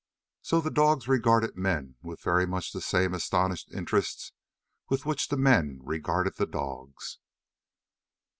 So the dogs regarded men with very much the same astonished interest with which the men regarded the dogs.